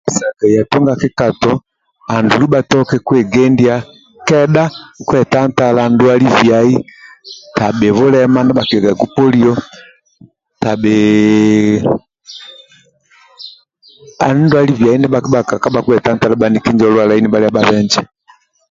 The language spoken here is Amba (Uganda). Ya tunga kikato andulu bhatoke kwegendia kedha kwetantala ndwali biai tabhi bulema ndia bhakigiagaku poliyo tabhi andi ndwali biai ndia bhakikabhaga kwetantala bhaniki njo lwalai nibhalia bhabenje